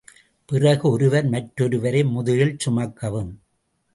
பிறகு ஒருவர் மற்றொருவரை முதுகில் சுமக்கவும்.